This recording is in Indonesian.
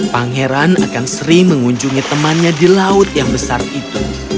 pangeran akan sering mengunjungi temannya di laut yang besar itu